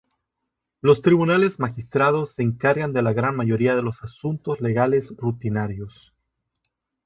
Los tribunales magistrados se encargan de la gran mayoría de los asuntos legales rutinarios.